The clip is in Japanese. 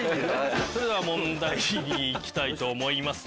それでは問題に行きたいと思います。